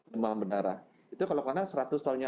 demam berdarah itu kalau karena seratus tahunnya